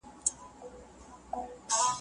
او په ځان کې ورک وي